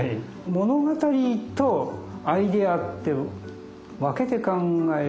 物語とアイデアって分けて考える。